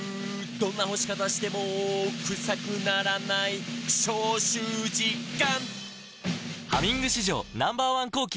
「どんな干し方してもクサくならない」「消臭実感！」